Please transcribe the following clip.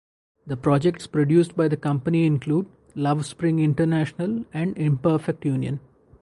The projects produced by the company include "Lovespring International" and "Imperfect Union".